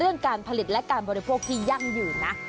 การผลิตและการบริโภคที่ยั่งยืนนะ